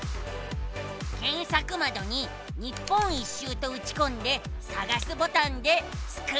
けんさくまどに日本一周とうちこんでさがすボタンでスクるのさ。